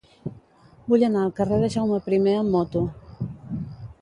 Vull anar al carrer de Jaume I amb moto.